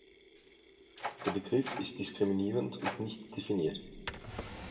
Der Begriff ist diskriminierend und nicht definiert.